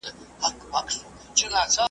هغه هېوادونه چي پرمختللي دي، منظم پلان لري.